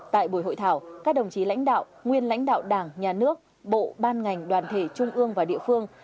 tại buổi hội thảo các đồng chí lãnh đạo nguyên lãnh đạo đảng nhà nước bộ ban ngành đoàn thể trung ương và địa phương